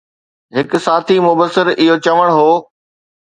هڪ ساٿي مبصر اهو چوڻ هو